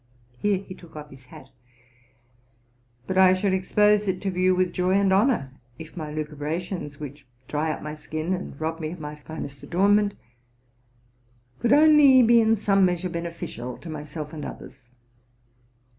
Here he took off his hat —' But I should expose it to view with joy and honor if my \ucubrations, which dry up my skin, and rob me of my finest adornment, could only be in some measure beneficial to my self and others.